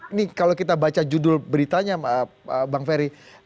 ini kalau kita baca judul beritanya bang ferry